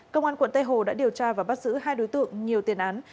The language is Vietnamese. công an quận tây hồ đã điều tra và bắt giữ hai đối tượng nhiều tiền án